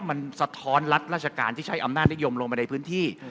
มันสะท้อนรัฐราชการที่ใช้อำนาจนิยมลงไปในพื้นที่